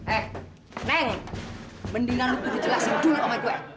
eh neng mendingan lu dulu jelasin dulu sama gue